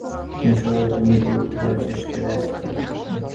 তিনি সর্বদা জীবনকে উপলব্ধি করার চেষ্টায় ব্যস্ত থাকতেন।